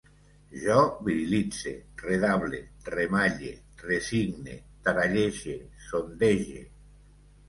Jo virilitze, redable, remalle, resigne, taral·lege, sondege